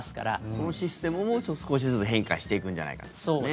このシステムも少しずつ変化していくんじゃないかと。